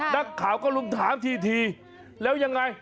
นักข่าวก็ลุมถามทีแล้วยังไง